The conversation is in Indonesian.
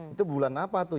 itu bulan apa tuh